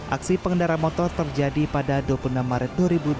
aksi pengendara motor terjadi pada dua puluh enam maret dua ribu dua puluh